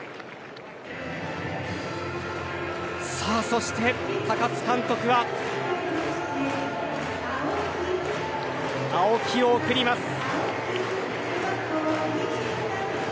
そして、高津監督は青木を送ります。